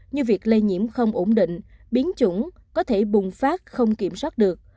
như việc lây nhiễm không ổn định biến chủng có thể bùng phát không kiểm soát được